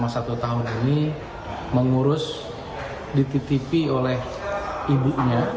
satu tahun ini mengurus dititipi oleh ibunya